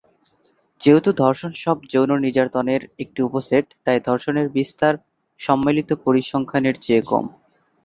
যেহেতু ধর্ষণ সব যৌন নির্যাতনের একটি উপসেট, তাই ধর্ষণের বিস্তার সম্মিলিত পরিসংখ্যানের চেয়ে কম।